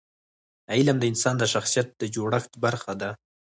علم د انسان د شخصیت د جوړښت برخه ده.